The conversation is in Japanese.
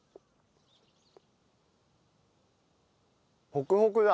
ホクホクだ。